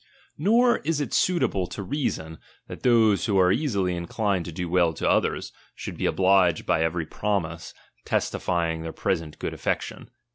Nor is it suitable to reason, that those who are easily iuclined to do well to others, should be obliged by every promise, testifying their present good affection.